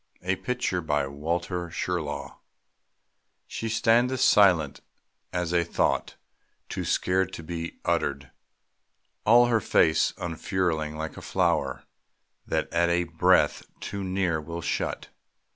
A PICTURE BY WALTER SHIRLAW. She standeth silent as a thought Too sacred to be uttered; all Her face unfurling like a flower That at a breath too near will shut.